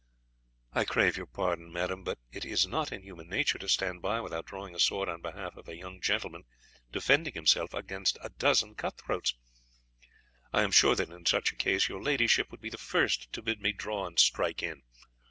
"I crave your pardon, madam, but it is not in human nature to stand by without drawing a sword on behalf of a young gentleman defending himself against a dozen cut throats. I am sure that in such a case your ladyship would be the first to bid me draw and strike in.